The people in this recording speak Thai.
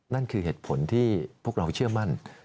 นั่นคือเหตุผลที่พวกเราเชื่อมั่น